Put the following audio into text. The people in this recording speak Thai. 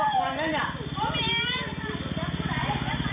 สวัสดีสวัสดี